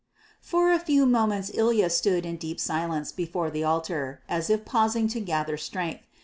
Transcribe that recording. For a few moments Ilya stood in deep silence before the altar, as if pausing to gather strength.